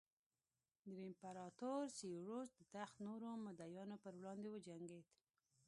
درېیم امپراتور سېوروس د تخت نورو مدعیانو پر وړاندې وجنګېد